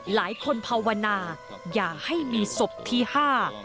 ภาวนาอย่าให้มีศพที่ห้า